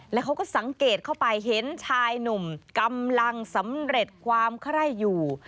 แล้วเขาก็สังเกตเข้าไปเห็นชายหนุ่มกำลังสำเร็จความไคร้อยู่